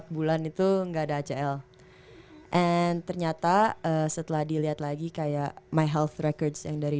empat bulan itu enggak ada acl and ternyata setelah dilihat lagi kayak my health records yang dari